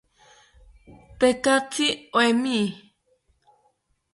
Tekatzi oemi